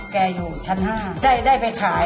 อยู่ชั้น๕ได้ไปขาย